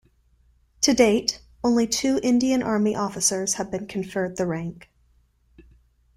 To date, only two Indian Army officers have been conferred the rank.